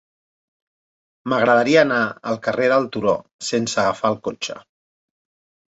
M'agradaria anar al carrer del Turó sense agafar el cotxe.